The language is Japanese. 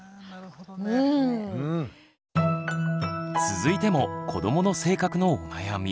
続いても子どもの性格のお悩み。